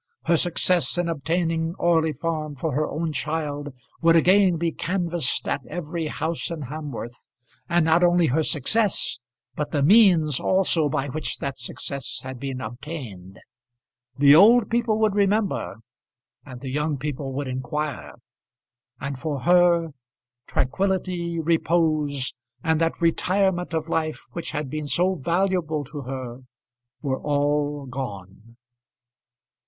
Her success in obtaining Orley Farm for her own child would again be canvassed at every house in Hamworth; and not only her success, but the means also by which that success had been obtained. The old people would remember and the young people would inquire; and, for her, tranquillity, repose, and that retirement of life which had been so valuable to her, were all gone.